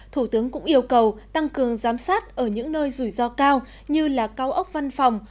thủ tướng cũng yêu cầu tăng cường giám sát ở những nơi rủi ro cao như là cao ốc văn phòng